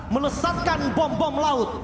menesatkan bom bom laut